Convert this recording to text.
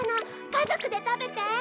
家族で食べて！